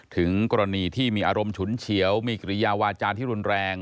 ถึงกรณีที่มีอารมณ์ฉุนเฉียวมีกิริยาวาจารย์ที่รุนแรง